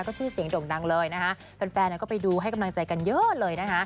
ก็ชื่อเสียงด่งดังเลยนะคะแฟนก็ไปดูให้กำลังใจกันเยอะเลยนะคะ